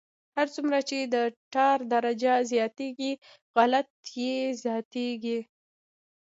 هر څومره چې د ټار درجه زیاتیږي غلظت یې زیاتیږي